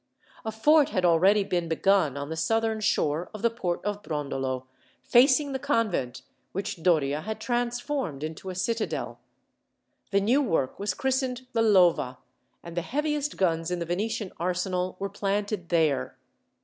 A fort had already been begun on the southern shore of the port of Brondolo, facing the convent, which Doria had transformed into a citadel. The new work was christened the Lova, and the heaviest guns in the Venetian arsenal were planted there.